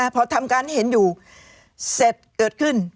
พอทำการให้เห็นอยู่เสร็จเกิดขึ้น